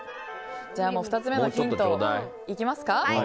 ２つ目のヒント、いきますか。